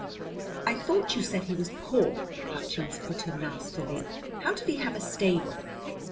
"I thought you said he was poor," Hutchins put in nastily. "How did he have a stable?"